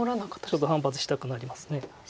ちょっと反発したくなります。